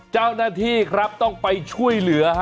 เจ้าหน้าที่ครับต้องไปช่วยเหลือ